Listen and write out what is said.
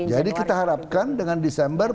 jadi kita harapkan dengan desember